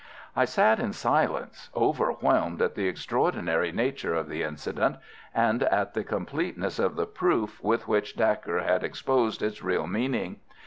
I sat in silence, overwhelmed at the extraordinary nature of the incident, and at the completeness of the proof with which Dacre had exposed its real meaning.